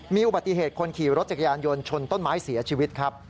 มีอุบัติเหตุคนขี่รถจักรยานยนต์ชนต้นไม้เสียชีวิตครับ